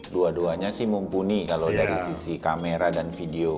dua duanya sih mumpuni kalau dari sisi kamera dan video